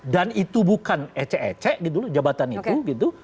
dan itu bukan ece ece gitu loh jabatan itu